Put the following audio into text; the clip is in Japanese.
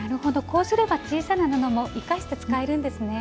こうすれば小さな布も生かして使えるんですね。